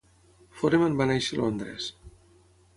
Foreman va néixer a Londres.